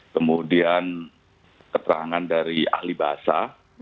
kemudian keterangan dari ahli bahasa